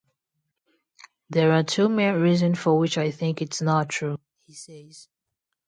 "There are two main reason for which I think it's not true," he says.